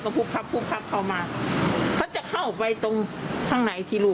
หรือไอ้คนเอามาส่งเป็นสาย